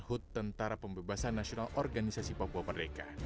hut tentara pembebasan nasional organisasi papua merdeka